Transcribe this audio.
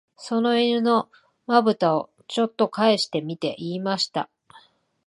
その犬の眼ぶたを、ちょっとかえしてみて言いました